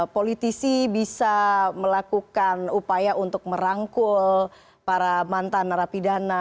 politisi bisa melakukan upaya untuk merangkul para mantan narapidana